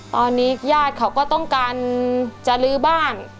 ตอนนี้ญาติเขาก็ต้องการจะลื้อบ้าน